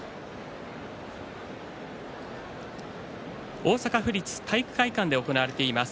大阪府立体育会館で行われています。